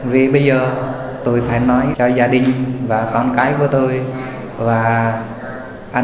vì bây giờ tôi phải nói cho gia đình và con cái của tôi và anh em của tôi